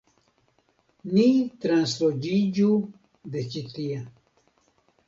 Ni transloĝiĝu de ĉi tie.